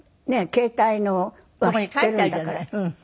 携帯のは知ってるんだから。